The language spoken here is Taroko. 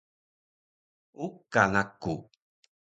Uka naku